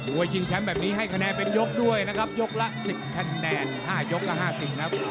มวยชิงแชมป์แบบนี้ให้คะแนนเป็นยกด้วยนะครับยกละสิบคะแนนห้ายกละห้าสิบนะครับ